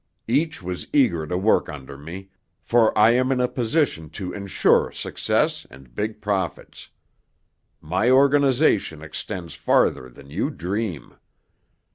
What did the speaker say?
Each was eager to work under me, for I am in a position to insure success and big profits. My organization extends farther than you dream.